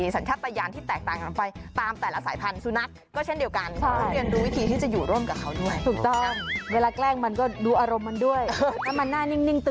สนใจว่ามันจะรู้สึกอย่างไร